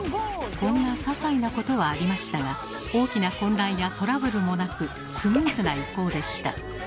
こんなささいなことはありましたが大きな混乱やトラブルもなくスムーズな移行でした。